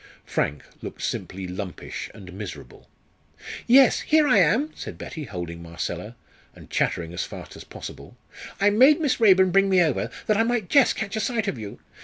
Frank looked simply lumpish and miserable. "Yes, here I am," said Betty, holding Marcella, and chattering as fast as possible. "I made Miss Raeburn bring me over, that I might just catch a sight of you.